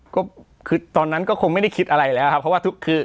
ก็คือตอนนั้นก็คงไม่ได้คิดอะไรแล้วครับเพราะว่าทุกคือ